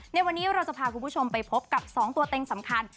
ในวันนี้เราจะพาคุณผู้ชมไปพบกับ๒ตัวเต็งสำคัญ